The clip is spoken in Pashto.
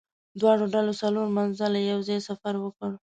دواړو ډلو څلور منزله یو ځای سفر وکړ.